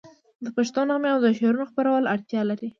د پښتو نغمې او د شعرونو خپرول اړتیا لري.